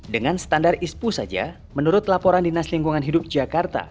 dengan standar ispu saja menurut laporan dinas lingkungan hidup jakarta